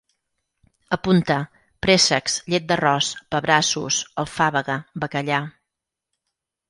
Apunta: préssecs, llet d'arròs, pebrassos, alfàbega, bacallà